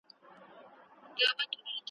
چي مي ښکلي دوستان نه وي چي به زه په نازېدمه ,